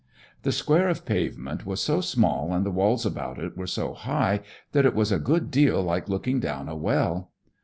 The square of pavement was so small and the walls about it were so high, that it was a good deal like looking down a well.